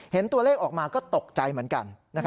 เห็นตัวเลขออกมาก็ตกใจเหมือนกัน